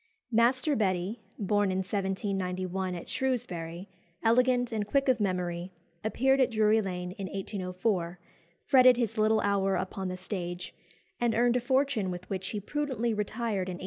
Master Betty, born in 1791 at Shrewsbury, elegant, and quick of memory, appeared at Drury Lane in 1804, fretted his little hour upon the stage, and earned a fortune with which he prudently retired in 1808.